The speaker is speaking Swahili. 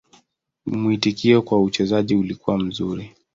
Mwitikio kwa uchezaji ulikuwa mzuri.